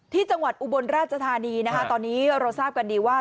ที่จังหวัดอุบลราชธานีตอนนี้เราทราบกันดีว่า